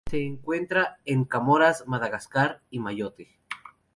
Se encuentra en Comoras, Madagascar, y Mayotte.